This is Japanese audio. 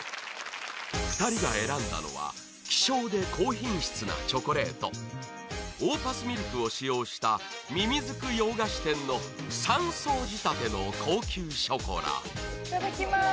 ２人が選んだのは希少で高品質なチョコレートオーパスミルクを使用したみみずく洋菓子店の３層仕立ての高級ショコラ